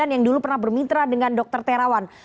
yang dulu pernah bermitra dengan dr tirawan